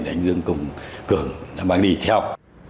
để anh dương công cường mang đi theo